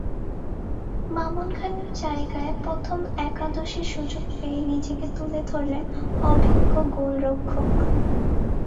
মামুন খানের জায়গায় প্রথম একাদশে সুযোগ পেয়ে নিজেকে তুলে ধরলেন অভিজ্ঞ গোলরক্ষক।